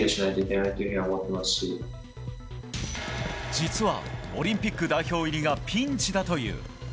実は、オリンピック代表入りがピンチだという。